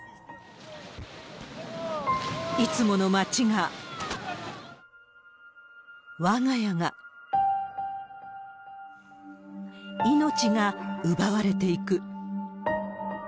いつもの街が、わが家が、命が奪われていく。